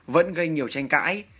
vẫn gây nhiều tranh cãi